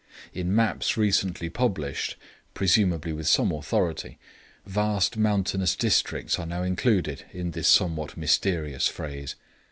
In maps recently published, presumably with some authority, vast mountainous districts are now included in this somewhat mysterious phrase.